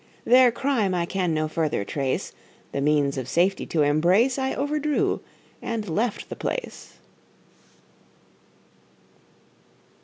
Their crime I can no further trace The means of safety to embrace, I overdrew and left the place.